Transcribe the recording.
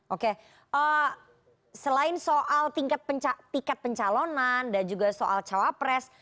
oke selain soal tingkat pencalonan dan juga soal cawapres